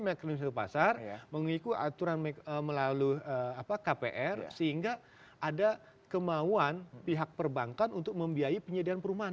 mekanisme pasar mengikuti aturan melalui kpr sehingga ada kemauan pihak perbankan untuk membiayai penyediaan perumahan